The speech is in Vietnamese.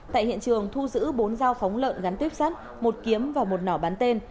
tại hiện trường thu giữ bốn dao phóng lợn gắn tuyếp sắt một kiếm và một nỏ bán tên